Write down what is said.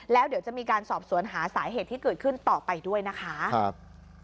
แล้วเดี๋ยวจะมีการสอบสวนหาสาเหตุที่เกิดขึ้นต่อไปด้วยนะคะครับ